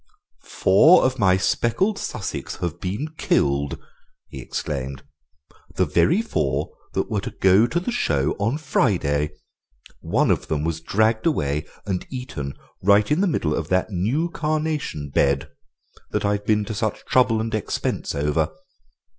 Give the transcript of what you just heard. "Four of my speckled Sussex have been killed," he exclaimed; "the very four that were to go to the show on Friday. One of them was dragged away and eaten right in the middle of that new carnation bed that I've been to such trouble and expense over.